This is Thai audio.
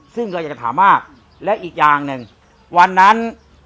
ซึ่งเราอยากจะถามมากและอีกอย่างหนึ่งวันนั้น